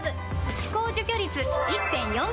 歯垢除去率 １．４ 倍！